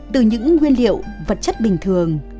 từ những nguyên liệu vật chất bình thường